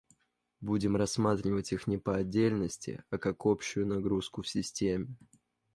Будем рассматривать их не по отдельности, а как общую нагрузку в системе